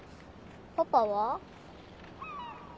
パパは？